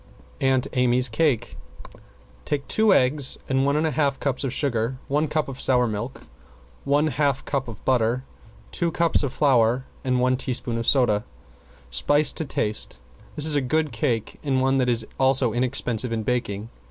~AUNT AMY'S CAKE~ Take two eggs, one and one half cups of sugar, one cup of sour milk, one half cup of butter, two cups of flour and one teaspoonful of soda. Spice to taste. This is a good cake and one which is also inexpensive in baking.